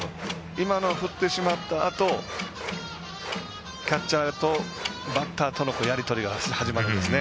今のを振ってしまったあとキャッチャーとバッターとのやり取りがあるんですよね。